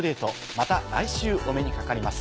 また来週お目にかかります。